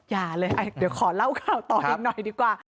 อย่าเลยเดี๋ยวขอเล่าข่าวต่ออีกหน่อยดีกว่า